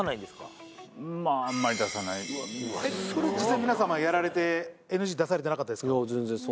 実際皆様やられてＮＧ出されてなかったですか？